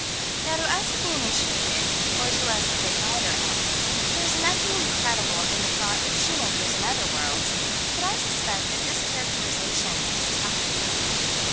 Now to us of the initiated, or to us of the wider outlook, there is nothing incredible in the thought of shoemakers in other worlds but I suspect that this characterization is tactical.